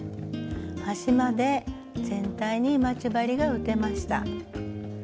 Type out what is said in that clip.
端まで全体に待ち針が打てました。